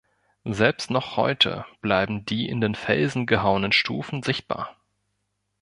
Selbst noch heute bleiben die in den Felsen gehauenen Stufen sichtbar.